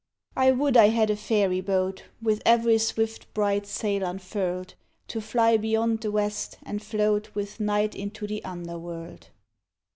I would I had a fairy boat, With every swift bright sail unfurled, To fly beyond the west, and float With night into the under world.